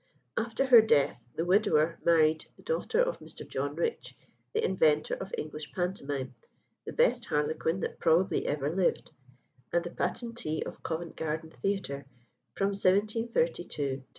After her death the widower married the daughter of Mr. John Rich, the inventor of English pantomime, the best harlequin that probably ever lived, and the patentee of Covent Garden Theatre from 1732 to 1762.